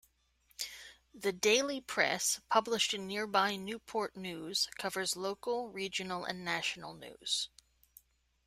The "Daily Press", published in nearby Newport News, covers local, regional and national news.